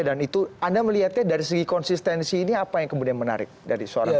dan itu anda melihatnya dari segi konsistensi ini apa yang kemudian menarik dari seorang castro